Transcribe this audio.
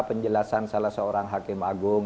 penjelasan salah seorang hakim agung